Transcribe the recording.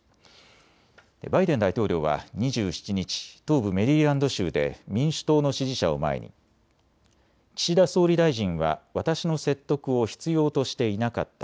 バイデン大統領は２７日、東部メリーランド州で民主党の支持者を前に岸田総理大臣は私の説得を必要としていなかった。